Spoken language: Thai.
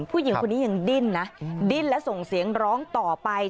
ผู้หญิงคนนี้ยังดิ้นนะดิ้นและส่งเสียงร้องต่อไป